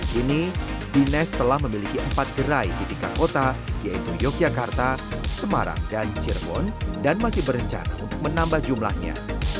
kini dinas telah memiliki empat gerai di tiga kota yaitu yogyakarta semarang dan cirebon dan masih berencana untuk menambah jumlahnya